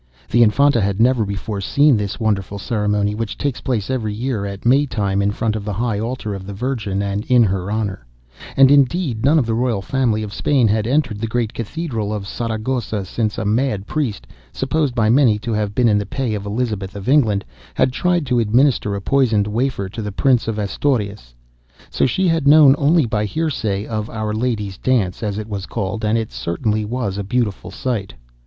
The Infanta had never before seen this wonderful ceremony which takes place every year at Maytime in front of the high altar of the Virgin, and in her honour; and indeed none of the royal family of Spain had entered the great cathedral of Saragossa since a mad priest, supposed by many to have been in the pay of Elizabeth of England, had tried to administer a poisoned wafer to the Prince of the Asturias. So she had known only by hearsay of 'Our Lady's Dance,' as it was called, and it certainly was a beautiful sight.